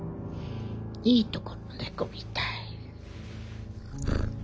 いいとこの猫みたい。